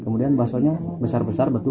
kemudian bakso nya besar besar betul